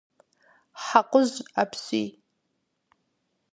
Хьэкъужь апщий.